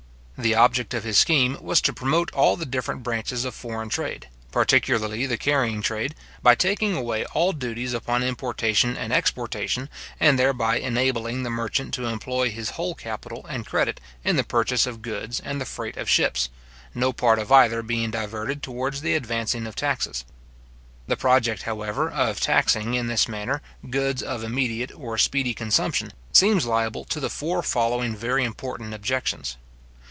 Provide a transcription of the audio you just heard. The object of his scheme was to promote all the different branches of foreign trade, particularly the carrying trade, by taking away all duties upon importation and exportation, and thereby enabling the merchant to employ his whole capital and credit in the purchase of goods and the freight of ships, no part of either being diverted towards the advancing of taxes, The project, however, of taxing, in this manner, goods of immediate or speedy consumption, seems liable to the four following very important objections.